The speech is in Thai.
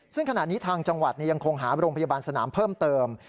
ซึ่งขณะนี้ทางจังหวัดยังคงหาโรงพยาบาลสนามเพิ่มเติม